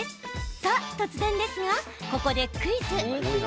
さあ、突然ですがここでクイズ。